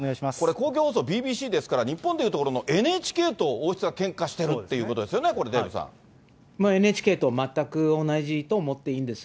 公共放送ＢＢＣですから、日本でいうところのＮＨＫと王室がけんかしてるってことですよね、ＮＨＫと全く同じと思っていいんです。